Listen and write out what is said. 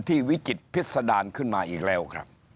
วิจิตพิษดารขึ้นมาอีกแล้วครับ